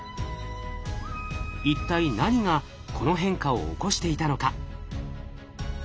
一体何がこの変化を起こしていたのか。